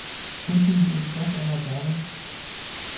Könnten Sie uns das einmal sagen?